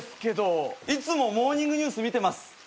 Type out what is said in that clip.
いつも『モーニングニュース』見てます。